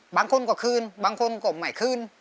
บางคนก็คืนบางคนก็ไม่คืน